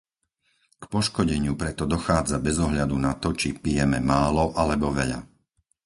K poškodeniu preto dochádza bez ohľadu na to, či pijeme málo alebo veľa.